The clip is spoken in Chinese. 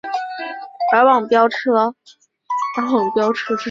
而往标茶车站方向的路线仍然存在。